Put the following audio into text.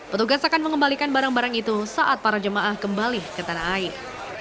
petugas akan mengembalikan barang barang itu saat para jemaah kembali ke tanah air